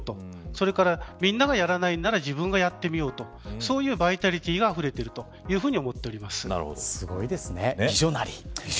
それから、みんながやらないなら自分がやってみようとそういうバイタリティーがすごいですね、ビジョナリー。